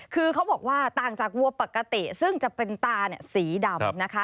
คือเขาบอกว่าต่างจากวัวปกติซึ่งจะเป็นตาสีดำนะคะ